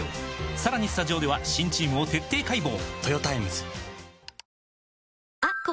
さらにスタジオでは新チームを徹底解剖！